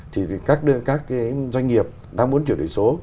thì các doanh nghiệp đang muốn chuyển đổi số